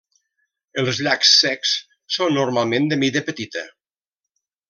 Els llacs secs són normalment de mida petita.